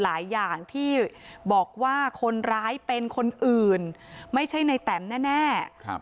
หลายอย่างที่บอกว่าคนร้ายเป็นคนอื่นไม่ใช่ในแตมแน่